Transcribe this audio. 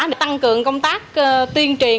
để tăng cường công tác tuyên truyền